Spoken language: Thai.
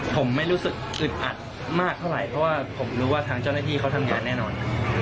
ผมไม่รู้สึกอึดอัดมากเท่าไหร่เพราะว่าผมรู้ว่าทางเจ้าหน้าที่เขาทำงานแน่นอน